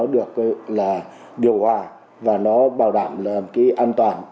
được điều hòa và bảo đảm an toàn